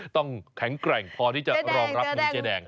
ต้องแข็งแกร่งพอที่จะรองรับมือเจ๊แดง